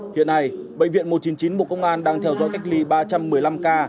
hiện nay bệnh viện một trăm chín mươi chín bộ công an đang theo dõi cách ly ba trăm một mươi năm ca